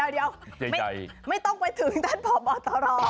เดี๋ยวไม่ต้องไปถึงท่านพบตร